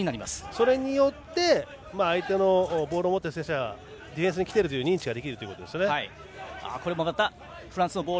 それによって相手、ボールを持つ選手はディフェンスにきたという認知ができるということです。